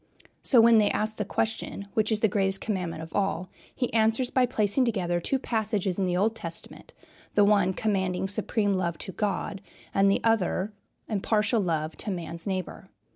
So, when they ask the question, "Which is the greatest commandment of all?" he answers by placing together two passages in the Old Testament, the one commanding supreme love to God and the other impartial love to man's neighbor.